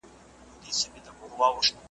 بد بویي وه او که نه وه غریبي وه ,